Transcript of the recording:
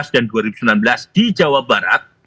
dua ribu empat belas dan dua ribu sembilan belas di jawa barat